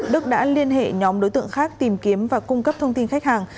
đức đã liên hệ nhóm đối tượng khác tìm kiếm và cung cấp thông tin khách hàng